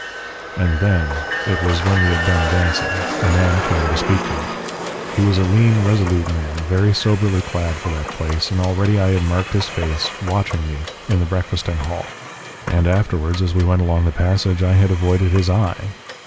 "And then it was when we had done dancing a man came to speak to me. He was a lean, resolute man, very soberly clad for that place, and already I had marked his face watching me in the breakfasting hall, and afterwards as we went along the passage I had avoided his eye.